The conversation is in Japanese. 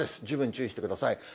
十分注意してください。